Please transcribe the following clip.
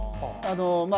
まあ